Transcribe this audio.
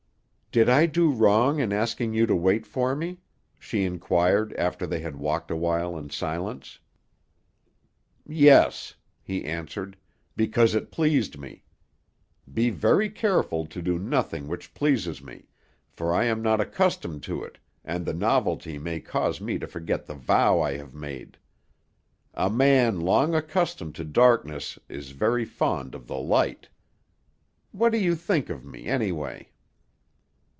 "Did I do wrong in asking you to wait for me?" she inquired, after they had walked awhile in silence. "Yes," he answered, "because it pleased me. Be very careful to do nothing which pleases me, for I am not accustomed to it, and the novelty may cause me to forget the vow I have made. A man long accustomed to darkness is very fond of the light. What do you think of me, anyway?"